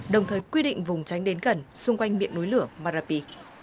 đồng thời quy định vùng tránh đến gần xung quanh miệng núi lửa marapi